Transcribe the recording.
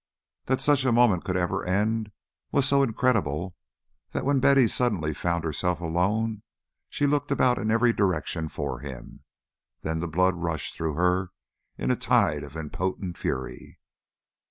That such a moment ever could end was so incredible that when Betty suddenly found herself alone she looked about in every direction for him, and then the blood rushed through her in a tide of impotent fury.